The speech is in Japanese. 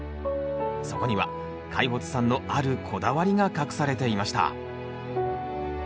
そこには開發さんのあるこだわりが隠されていました。